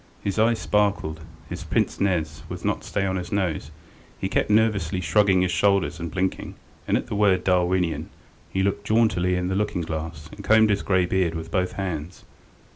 His eyes sparkled, his pince nez would not stay on his nose, he kept nervously shrugging his shoulders and blinking, and at the word "Darwinian" he looked jauntily in the looking glass and combed his grey beard with both hands.